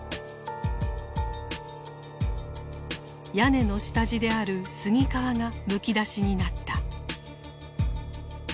屋根の下地である杉皮がむき出しになった。